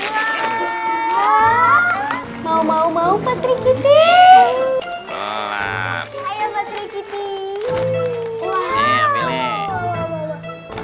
mau mau mau mau pasri kiting